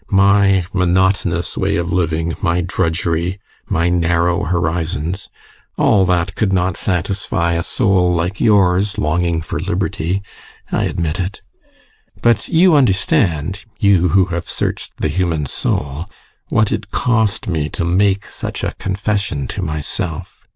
My monotonous way of living, my drudgery, my narrow horizons all that could not satisfy a soul like yours, longing for liberty. I admit it. But you understand you who have searched the human soul what it cost me to make such a confession to myself.